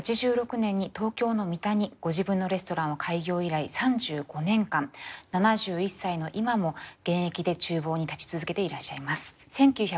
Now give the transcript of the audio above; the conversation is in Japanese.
８６年に東京の三田にご自分のレストランを開業以来３５年間７１歳の今も現役で厨房に立ち続けていらっしゃいます。